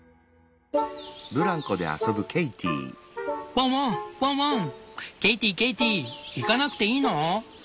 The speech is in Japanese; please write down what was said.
「ワンワンワンワンケイティケイティ行かなくていいの？